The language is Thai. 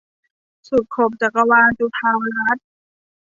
สุดขอบจักรวาล - จุฑารัตน์